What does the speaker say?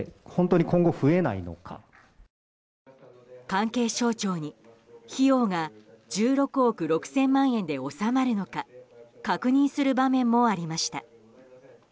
関係省庁に費用が１６億６０００万円で収まるのか確認する場面もありました。